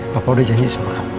saya berjanji semua